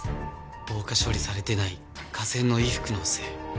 防火処理されてない化繊の衣服のせい。